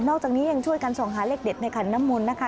อกจากนี้ยังช่วยกันส่องหาเลขเด็ดในขันน้ำมนต์นะคะ